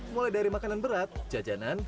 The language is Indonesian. mulai dari makanan berat jajanan